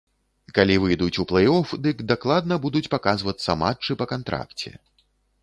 Калі выйдуць у плэй-оф, дык дакладна будуць паказвацца матчы па кантракце.